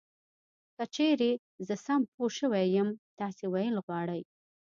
که چېرې زه سم پوه شوی یم تاسې ویل غواړی .